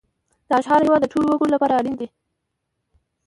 دا شعار د هېواد د ټولو وګړو لپاره اړین دی